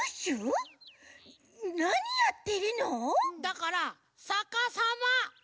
だからさかさま！